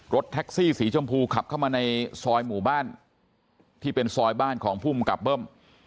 รถแท็กซี่สีชมพูขับเข้ามาในซอยหมู่บ้านที่เป็นซอยบ้านของภูมิกับเบิ้ม